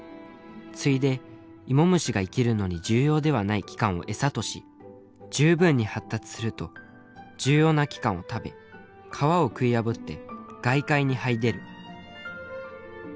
ついでイモムシが生きるのに重要ではない器官を餌とし十分に発達すると重要な器官を食べ皮を食い破って外界に這い出る」。